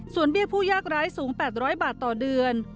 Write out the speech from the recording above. ส่วนเบี้ยผู้ยากร้ายสูง๘๐๐บาทต่อเดือน